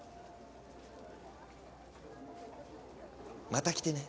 また来てね。